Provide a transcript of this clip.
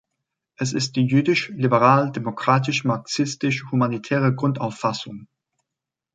Es ist die jüdisch-liberal-demokratisch-marxistisch-humanitäre Grundauffassung.